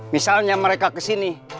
misalnya mereka kesini